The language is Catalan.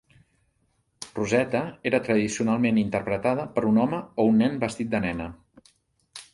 Rosetta era tradicionalment interpretada per un home o un nen vestit de nena.